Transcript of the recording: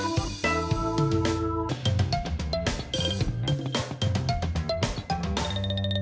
มาใหม่เลยนะคะ